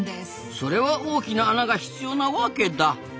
それは大きな穴が必要なわけだ。